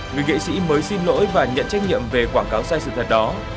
người nghệ sĩ mới xin lỗi và nhận trách nhiệm về quảng cáo sai sự thật đó